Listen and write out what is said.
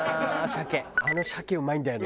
あの鮭うまいんだよね。